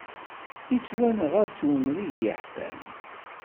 Yettwanɣa s umrig yeḥfan.